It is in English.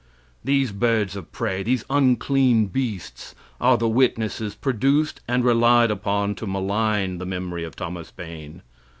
These birds of prey these unclean beasts are the witnesses produced and relied upon to malign the memory of Thomas Paine.